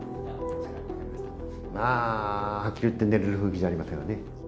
まあ、はっきり言って、寝られる雰囲気じゃありませんよね。